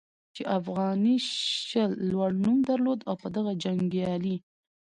چې افغاني شل لوړ نوم درلود او په دغه جنګیالي